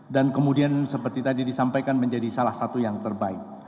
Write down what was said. dan kemudian seperti tadi disampaikan menjadi salah satu yang terbaik